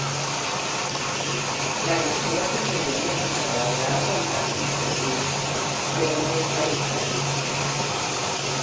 L'agressor va fer servir una pistola de gas amb cartutxos buits però no es va disparar.